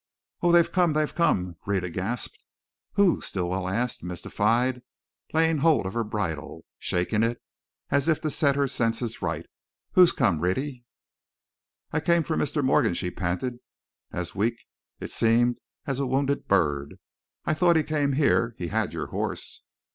"Oh, they've come, they've come!" Rhetta gasped. "Who?" Stilwell asked, mystified, laying hold of her bridle, shaking it as if to set her senses right. "Who's come, Rhetty?" "I came for Mr. Morgan!" she panted, as weak, it seemed, as a wounded bird. "I thought he came here he had your horse."